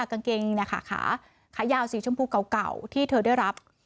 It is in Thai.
กางเกงขาขายาวสีชมพูเก่าที่เธอได้รับ